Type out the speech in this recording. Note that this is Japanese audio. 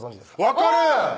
分かる！